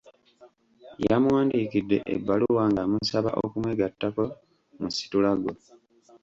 Yamuwandiikidde ebbaluwa ng'amusaba okumwegattako mu situlago.